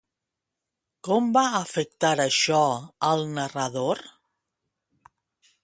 Com va afectar això al narrador?